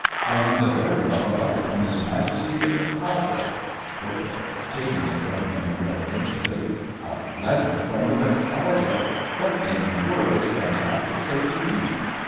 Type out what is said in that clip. I am the bearer of a letter from his Majesty the Mikado. KO. (taking it from him reverentially). A letter from the Mikado! What in the world can he have to say to me?